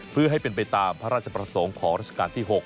เพื่อให้เป็นไปตามพระราชประสงค์ของราชการที่๖